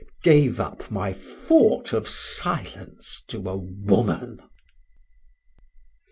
Gave up my fort of silence to a Woman.